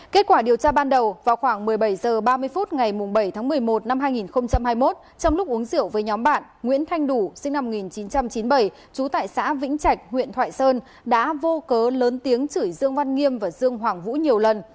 kết quả điều tra ban đầu vào khoảng một mươi bảy h ba mươi phút ngày bảy tháng một mươi một năm hai nghìn hai mươi một trong lúc uống rượu với nhóm bạn nguyễn thanh đủ sinh năm một nghìn chín trăm chín mươi bảy trú tại xã vĩnh trạch huyện thoại sơn đã vô cớ lớn tiếng chửi dương văn nghiêm và dương hoàng vũ nhiều lần